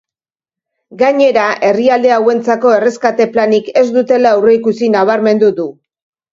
Gainera, herrialde hauentzako erreskate planik ez dutela aurreikusi nabarmendu du.